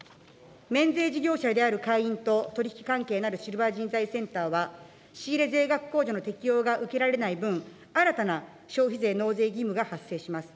免税事業者である会員と取り引き関係のあるシルバー人材センターは、仕入れ税額控除の適用が受けられない分、新たな消費税納税義務が発生します。